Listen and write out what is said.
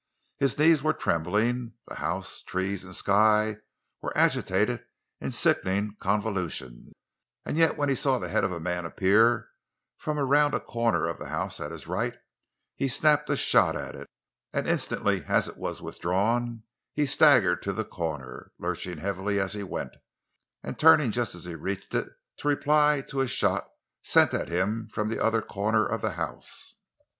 His knees were trembling, the house, trees, and sky were agitated in sickening convolutions, and yet when he saw the head of a man appear from around a corner of the house at his right, he snapped a shot at it, and instantly as it was withdrawn he staggered to the corner, lurching heavily as he went, and turning just as he reached it to reply to a shot sent at him from the other corner of the house.